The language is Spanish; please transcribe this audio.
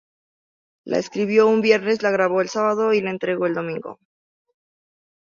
La escribió un viernes, la grabó el sábado y la entregó el domingo.